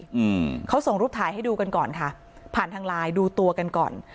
อืมเขาส่งรูปถ่ายให้ดูกันก่อนค่ะผ่านทางไลน์ดูตัวกันก่อน